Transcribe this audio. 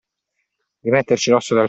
Rimetterci l'osso del collo.